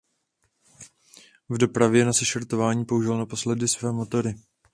K dopravě na sešrotování použil naposledy své motory.